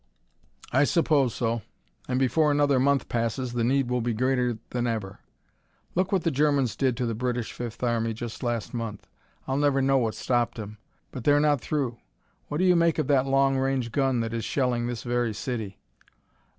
"I suppose so. And before another month passes the need will be greater than ever. Look what the Germans did to the British Fifth Army just last month. I'll never know what stopped 'em. But they're not through. What do you make of that long range gun that is shelling this very city?